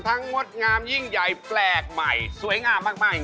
ทั้งมดงามยิ่งใหญ่แปลกใหม่สวยงามมากจริง